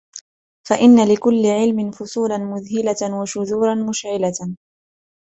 فَإِنَّ لِكُلِّ عِلْمٍ فُصُولًا مُذْهِلَةً وَشُذُورًا مُشْغِلَةً